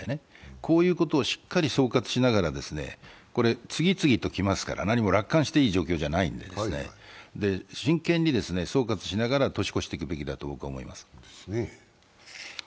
こういうことをしっかり総括しながらこれは次々と来ますから何も楽観していい状況じゃないんで、真剣に総括しながら年を越していくべきだと僕は思います。